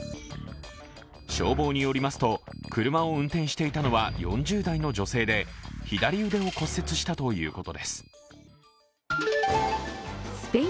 消防によりますと車を運転していたのは４０代の女性で左腕を骨折したということです。